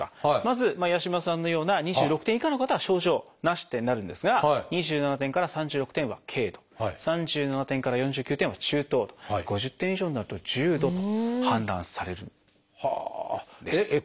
まず八嶋さんのような２６点以下の方は「症状なし」ってなるんですが２７点から３６点は「軽度」３７点から４９点は「中等度」５０点以上になると「重度」と判断されるんです。